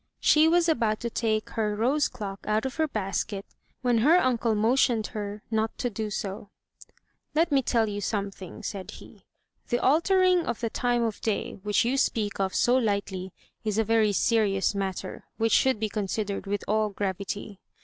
She was about to take her rose clock out of her basket, when her uncle motioned to her not to do so. "Let me tell you something," said he. "The altering of the 264 THE TREASURE CHEST time of day, which you speak of so lightly, is a very serious matter, which should be considered with all gravity.